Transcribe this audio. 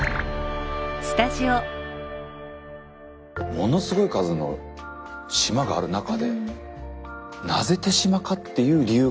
ものすごい数の島がある中でなぜ手島かっていう理由があるんだよね。